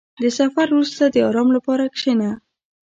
• د سفر وروسته، د آرام لپاره کښېنه.